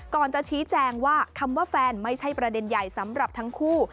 ก่อนจะชี้แจงว่าคำว่าแฟนไม่ใช่ประเด็นใหญ่สำหรับทั้งคู่